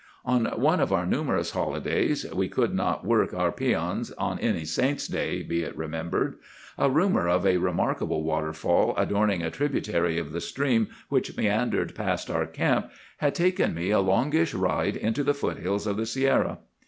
"On one of our numerous holidays—we could not work our peons on any saint's day be it remembered—a rumor of a remarkable waterfall adorning a tributary of the stream which meandered past our camp had taken me a longish ride into the foothills of the Sierra.